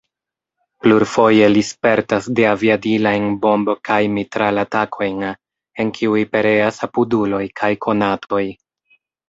Plurfoje li spertas deaviadilajn bomb- kaj mitral-atakojn, en kiuj pereas apuduloj kaj konatoj.